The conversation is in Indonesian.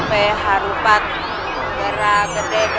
tuhan yang terbaik